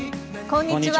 こんにちは。